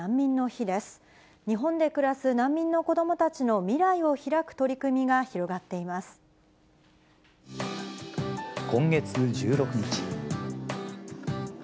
日本で暮らす難民の子どもたちの未来を開く取り組みが広がってい今月１６日。